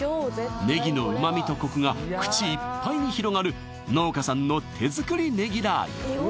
ねぎの旨味とコクが口いっぱいに広がる農家さんの手作りネギ辣油